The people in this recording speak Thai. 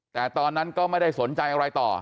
แต่ตอนนั้นก็ไม่ได้สนใจอะไรต่อ